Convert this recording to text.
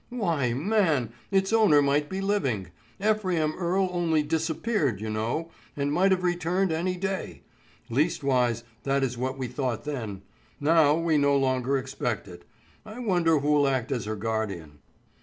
"Why, man, its owner might be living. Ephraim Earle only disappeared, you know, and might have returned any day. Leastwise that is what we thought then. Now, we no longer expect it. I wonder who'll act as her guardian."